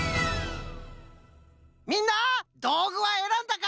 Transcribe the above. みんなどうぐはえらんだか？